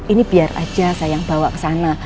ini biar saja sayang bawa ke sana